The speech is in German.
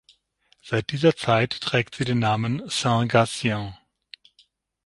Seit dieser Zeit trägt sie den Namen "Saint-Gatien".